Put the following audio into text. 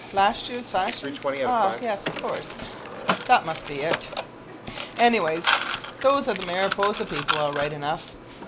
last year's fashions? Ah yes, of course, that must be it. Anyway, those are the Mariposa people all right enough.